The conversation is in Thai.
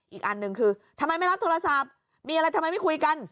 อีกอันหนึ่งคือทำไมไม่รับโทรศัพท์มีอะไรทำไมไม่คุยกัน